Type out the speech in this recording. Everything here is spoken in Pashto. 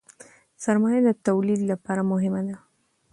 سرمایه د تولید لپاره مهمه ده.